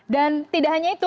dan tidak hanya itu